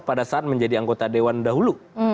pada saat menjadi anggota dewan dahulu